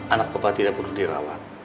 anak bapak tidak perlu dirawat